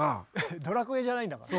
「ドラクエ」じゃないんだから。